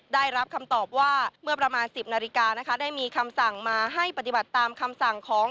ได้รับคำตอบว่าเมื่อประมาณ๑๐นาฬิกานะคะได้มีคำสั่งมาให้ปฏิบัติตามคำสั่งของ